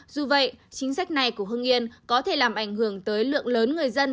dù vậy chính sách này của hưng yên có thể làm ảnh hưởng tới lượng lớn người dân